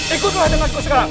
ikutlah dengan aku sekarang